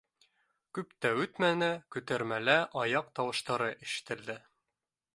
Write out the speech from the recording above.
Күп тә үтмәне, күтәрмәлә аяҡ тауыштары ишетелде